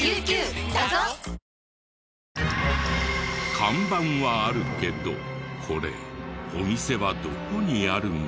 看板はあるけどこれお店はどこにあるの？